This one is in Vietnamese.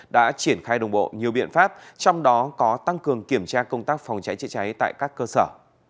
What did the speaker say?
đã triển khai đồng bộ nhiều biện pháp trong đó có tăng cường kiểm tra công tác phòng cháy chữa cháy tại các cơ sở